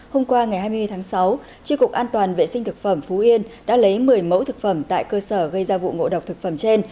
hôm qua ngày hai mươi tháng sáu tri cục an toàn vệ sinh thực phẩm phú yên đã lấy một mươi mẫu thực phẩm tại cơ sở gây ra vụ ngộ độc thực phẩm trên